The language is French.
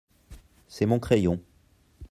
C’est mon crayon.